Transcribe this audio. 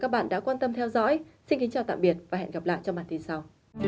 bản tin sau